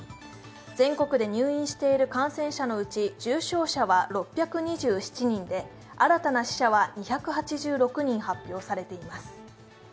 全国で入院している感染者のうち重症者は６２７人で新たな死者は２８６人発表されています。